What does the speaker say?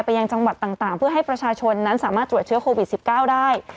ยังจังหวัดต่างเพื่อให้ประชาชนนั้นสามารถตรวจเชื้อโควิด๑๙ได้